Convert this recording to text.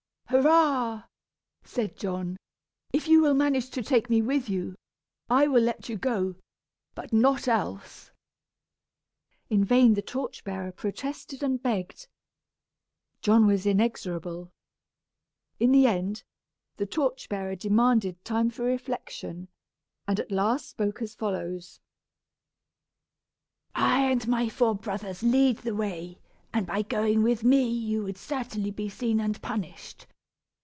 "Hurrah!" said John. "If you will manage to take me with you, I will let you go, but not else." In vain the torch bearer protested and begged. John was inexorable. In the end, the torch bearer demanded time for reflection, and at last spoke as follows: "I and four of my brothers lead the way, and by going with me you would certainly be seen and punished.